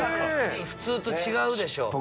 普通と違うでしょ。